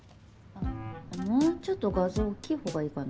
もうちょっと画像大きい方がいいかな。